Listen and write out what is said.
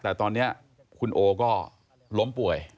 แต่ตอนนี้คุณโอก็ล้มป่วย